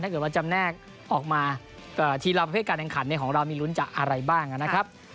จำว่าจำแนกออกมาทีละประเภทการแข่งขันของเรามีลุ้นจากอะไรบ้างนะครับ